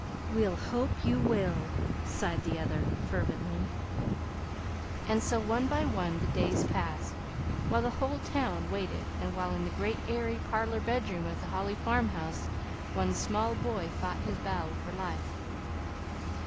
"We'll hope you will," sighed the other fervently. And so one by one the days passed, while the whole town waited and while in the great airy "parlor bedroom" of the Holly farmhouse one small boy fought his battle for life.